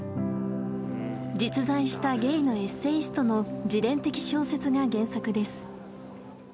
実在したゲイのエッセイストの自伝的小説が原作です。